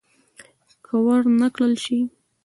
که ور نه کړل شي.